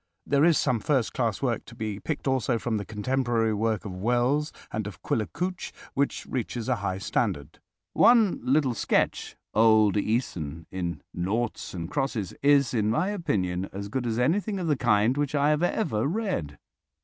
There is some first class work to be picked also from the contemporary work of Wells and of Quiller Couch which reaches a high standard. One little sketch—"Old Œson" in "Noughts and Crosses"—is, in my opinion, as good as anything of the kind which I have ever read.